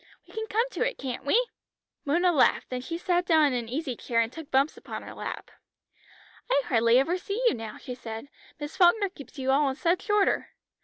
"We can come into it, can't we?" Mona laughed, then she sat down in an easy chair and took Bumps upon her lap. "I hardly ever see you now," she said; "Miss Falkner keeps you all in such order.